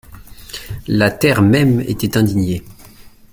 La terre même était indignée.